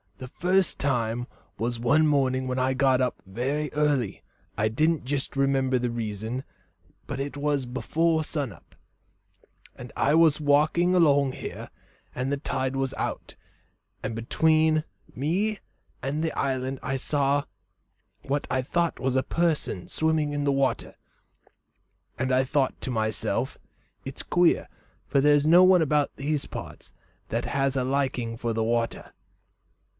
The first time it was one morning that I got up very early I don't jist remember the reason, but it was before sun up, and I was walking along here, and the tide was out, and between me and the island I saw what I thought was a person swimming in the water, and I thought to myself, 'It's queer, for there's no one about these parts that has a liking for the water.'